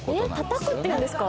たたくっていうんですか？